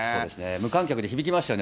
無観客で響きましたよね。